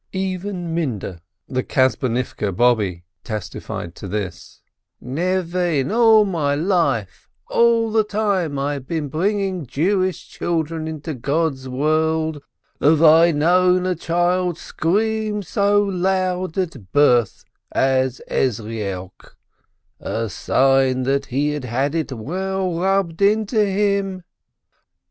Even Minde, the Kabtzonivke Bobbe, testified to this : "Never in all my life, all the time I've been bringing Jewish children into God's world, have I known a child scream so loud at birth as Ezrielk — a sign that he'd had it well rubbed into him